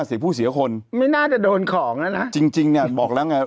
เสียผู้เสียคนไม่น่าจะโดนของแล้วนะจริงจริงเนี้ยบอกแล้วไง